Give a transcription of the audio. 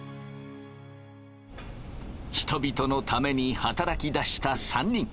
人々のために働きだした３人。